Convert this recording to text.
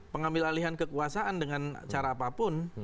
pengambil alihan kekuasaan dengan cara apapun